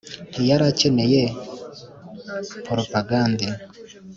ntiyari akeneye propagande